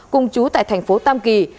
cùng chú tại thành phố tam kỳ